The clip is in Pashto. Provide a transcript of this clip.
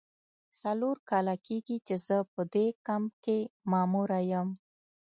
څلور کاله کیږي چې زه په دې کمپ کې ماموره یم.